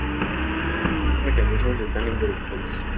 Dos mecanismos están involucrados.